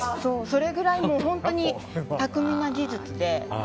それぐらい本当に巧みな技術で。